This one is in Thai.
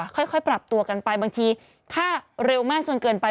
ค่อยปรับตัวกันไปบางทีถ้าเร็วมากจนเกินไป